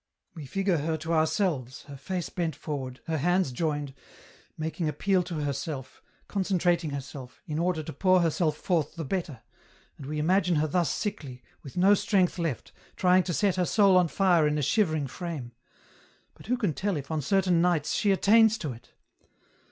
" We figure her to ourselves, her face bent forward, her hands joined, making appeal to herself, concentrating herself, in order to pour herself forth the better, and we imagine her thus sickly, with no strength left, trying to set her soul on fire in a shivering frame. But who can tell if on certain nights she attains to it